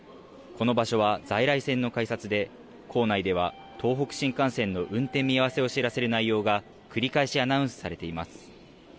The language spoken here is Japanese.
この場所は在来線の改札で構内では東北新幹線の運転見合わせを知らせる内容が繰り返しアナウンスされています。